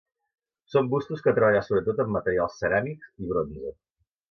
Són bustos que treballa sobretot amb materials ceràmics i bronze.